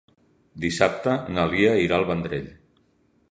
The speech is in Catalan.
Dissabte na Lia irà al Vendrell.